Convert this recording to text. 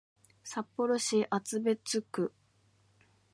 札幌市厚別区